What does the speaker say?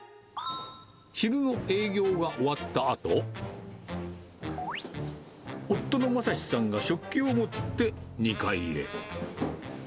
昼の営業が終わったあと、夫の昌史さんが食器を持って２階へ。